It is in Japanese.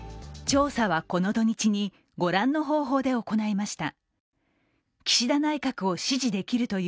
調査はこの土日に、ご覧の方法で行った。